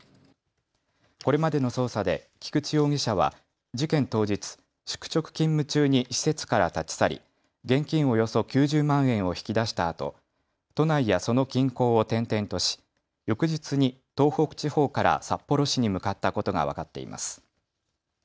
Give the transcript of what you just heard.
これまでの捜査で菊池容疑者は事件当日、宿直勤務中に施設から立ち去り、現金およそ９０万円を引き出したあと都内やその近郊を転々とし翌日に東北地方から札幌市に向かったことが分かっています。